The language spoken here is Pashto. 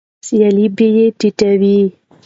سیالي بیې ټیټوي.